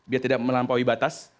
biar tidak melampaui batas